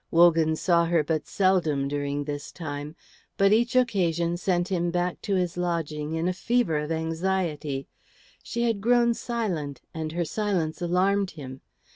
Wogan saw her but seldom during this time, but each occasion sent him back to his lodging in a fever of anxiety. She had grown silent, and her silence alarmed him.